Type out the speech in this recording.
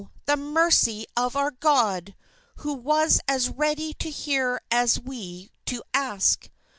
the mercy of our God! who was as ready to hear as we to ask!